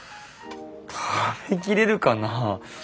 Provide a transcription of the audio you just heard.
食べきれるかな。